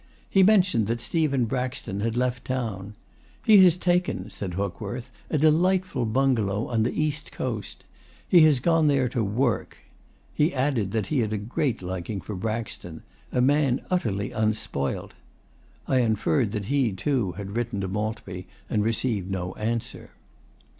He mentioned that Stephen Braxton had left town. 'He has taken,' said Hookworth, 'a delightful bungalow on the east coast. He has gone there to WORK.' He added that he had a great liking for Braxton 'a man utterly UNSPOILT.' I inferred that he, too, had written to Maltby and received no answer.